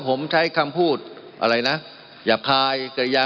มันมีมาต่อเนื่องมีเหตุการณ์ที่ไม่เคยเกิดขึ้น